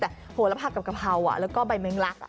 แต่หัวละผักกับกะเพราแล้วก็ใบเม้งลัก